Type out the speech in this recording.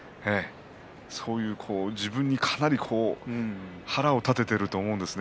そういう自分に、かなり腹を立てていると思うんですね。